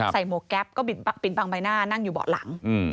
ใส่โหมกแก๊ปก็ปิดบางใบหน้านั่งอยู่บอดหลัง